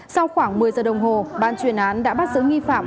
sau khoảng một mươi giờ đồng hồ ban chuyên án đã bắt giữ nghi phạm